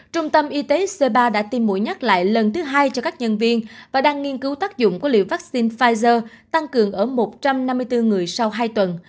trung tâm y tế c ba đã tiêm mũi nhắc lại lần thứ hai cho các nhân viên và đang nghiên cứu tác dụng của liều vaccine pfizer tăng cường ở một trăm năm mươi bốn người sau hai tuần